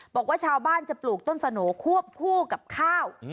บอกว่าชาวบ้านจะปลูกต้นสโหน่ควบคู่กับข้าว